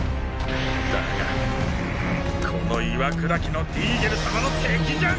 だがこの岩砕きのディーゲル様の敵じゃねぇ！